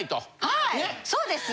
はいそうです！